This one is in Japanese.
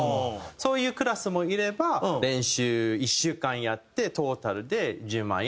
そういうクラスもいれば練習１週間やってトータルで１０万円っていう人もいれば。